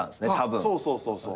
そうそうそうそう。